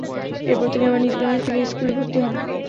এরপর তিনি আবার নিজ গ্রামে ফিরে স্কুলে ভর্তি হন।